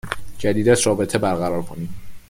جدیدت رابطه برقرار کنی